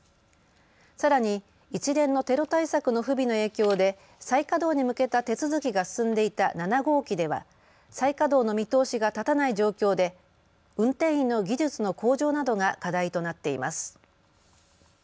さらに一連のテロ対策の不備の影響で再稼働に向けた手続きが進んでいた７号機では再稼働の見通しが立たない状況で運転員の技術の向上などが課題となっています。